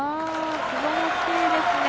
すばらしいですね。